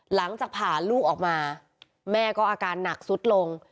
หลังจากผ่าลูกออกมาแม่ก็อาการหนักสุดลง